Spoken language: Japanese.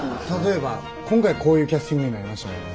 例えば今回こういうキャスティングになりますよね。